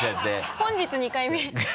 本日２回目。